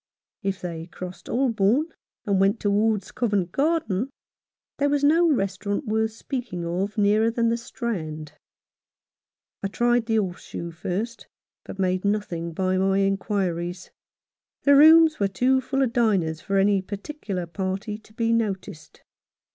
If they crossed Holborn and went towards Covent Garden, there was no restaurant worth speaking of nearer than the Strand. I tried the Horse Shoe first, but made nothing by my inquiries. The rooms were too full of diners for any particular party to be noticed.